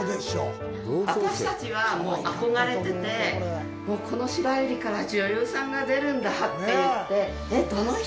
私たちは、もう憧れててもうこの白百合から女優さんが出るんだって言ってえっ、どの人？